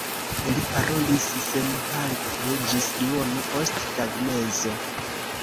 Li parolis senhalte ĝis duono post tagmezo.